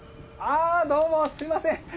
あどうもすみません。